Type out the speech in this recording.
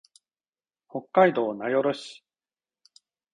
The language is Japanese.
北海道名寄市